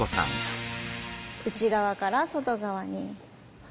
内側から外側に。